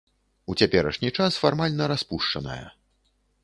У цяперашні час фармальна распушчаная.